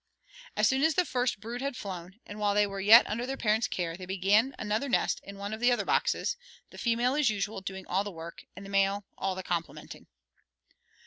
As soon as the first brood had flown, and while they were yet under their parents' care, they began another nest in one of the other boxes, the female, as usual, doing all the work, and the male all the complimenting.